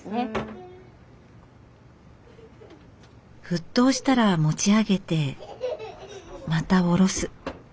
沸騰したら持ち上げてまた下ろす。